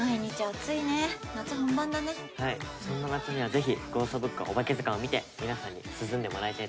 そんな夏にはぜひ『ゴーストブックおばけずかん』を見て皆さんに涼んでもらいたいです。